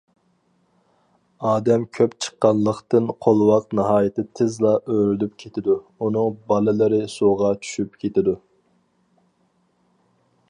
ئادەم كۆپ چىققانلىقتىن قولۋاق ناھايىتى تېزلا ئۆرۈلۈپ كېتىدۇ، ئۇنىڭ بالىلىرى سۇغا چۈشۈپ كېتىدۇ.